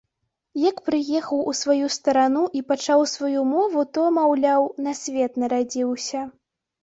Як прыехаў у сваю старану і пачуў сваю мову, то, маўляў, на свет нарадзіўся.